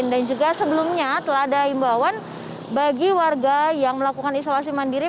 dan juga sebelumnya telah ada himbauan bagi warga yang melakukan isolasi mandiri